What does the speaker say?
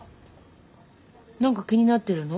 何か気になってるの？